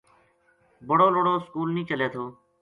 بڑو لُڑو سکول نیہہ چلے تھو